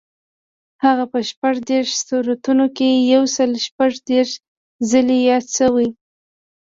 هغه په شپږ دېرش سورتونو کې یو سل شپږ دېرش ځلي یاد شوی.